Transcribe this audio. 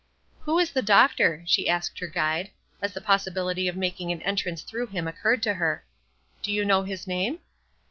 "Who is the doctor?" she asked her guide, as the possibility of making an entrance through him occurred to her. "Do you know his name?"